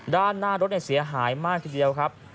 ด้านหน้ารถเสียหายมากทีเดียวครับ